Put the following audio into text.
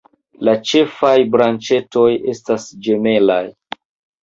La ĉefaj branĉetoj estas ĝemelaj.